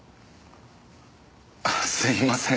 すいません。